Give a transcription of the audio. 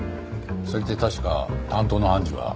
それって確か担当の判事は。